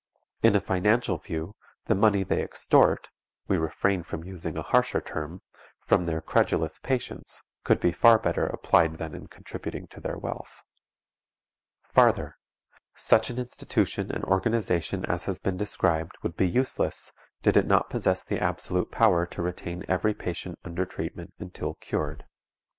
In a financial view, the money they extort (we refrain from using a harsher term) from their credulous patients could be far better applied than in contributing to their wealth. Farther: Such an institution and organization as has been described would be useless did it not possess the absolute power to retain every patient under treatment until cured.